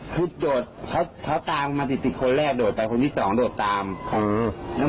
คือโดดเขาเขาตามมาติดติดคนแรกโดดไปคนที่สองโดดตามเออ